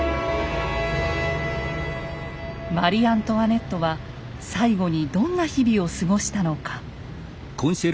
マリ・アントワネットは最後にどんな日々を過ごしたのか。